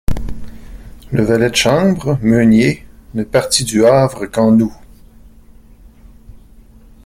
Le valet de chambre, Meunier, ne partit du Havre qu’en août.